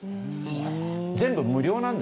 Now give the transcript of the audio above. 全部無料なんですね。